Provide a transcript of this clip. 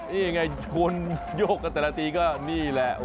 นี่ไงชนโยกกันแต่ละทีก็นี่แหละ